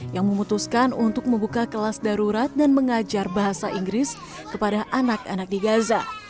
yang memutuskan untuk membuka kelas darurat dan mengajar bahasa inggris kepada anak anak di gaza